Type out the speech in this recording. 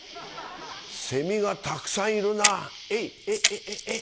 セミがたくさんいるなえいえい。